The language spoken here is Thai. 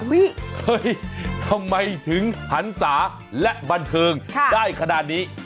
เฮ้ยทำไมถึงหันศาและบันเทิงได้ขนาดนี้